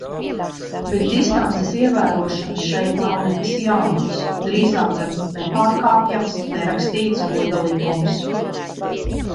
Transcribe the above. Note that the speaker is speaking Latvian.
Bet distances ievērošana šeit nav nekas jauns, drīzāk gan nepārkāpjams, nerakstīts goda likums.